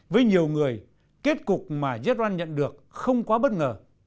với nhiều người kết cục mà jetone nhận được không quá bất ngờ